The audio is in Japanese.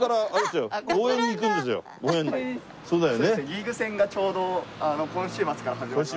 リーグ戦がちょうど今週末から始まりまして。